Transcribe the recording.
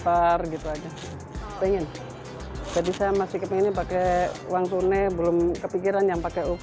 ada duit sekian yaudah sekian